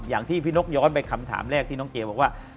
อย่างที่พี่นกย้อนไปคำถามแรกที่น้องเจบอกว่า